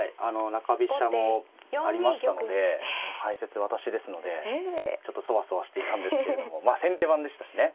中飛車もありましたので解説私ですのでちょっとそわそわしていたんですけれどもまあ先手番でしたしね。